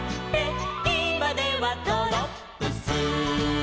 「いまではドロップス」